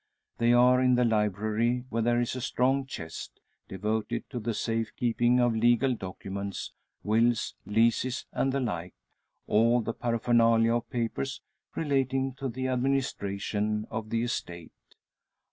They are in the library, where there is a strong chest, devoted to the safe keeping of legal documents, wills, leases, and the like all the paraphernalia of papers relating to the administration of the estate.